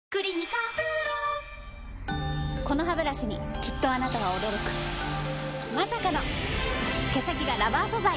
このハブラシにきっとあなたは驚くまさかの毛先がラバー素材！